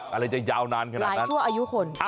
อันนี้จะยาวนานขนาดนั้นหลายชั่วอายุคน